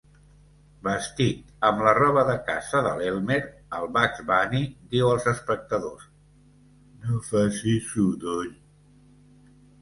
Vestit amb la roba de caça de l'Elmer, el Bugs Bunny diu als espectadors: "No facis sodoll".